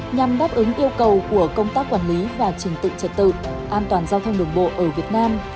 nhằm đáp ứng yêu cầu của công tác quản lý và trình tự trật tự an toàn giao thông đường bộ ở việt nam